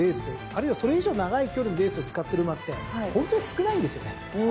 あるいはそれ以上長い距離のレースを使ってる馬ってホントに少ないんですよね。